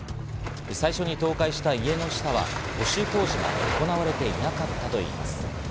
最初に倒壊した家の下は補修工事が行われていなかったといいます。